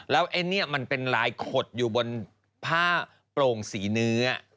แล้วไอ้นี่มันเป็นลายขดอยู่บนผ้าโปร่งสีเนื้อ